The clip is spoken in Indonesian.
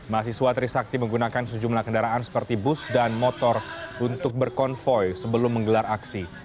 mahasiswa trisakti menggunakan sejumlah kendaraan seperti bus dan motor untuk berkonvoy sebelum menggelar aksi